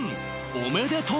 おめでとう！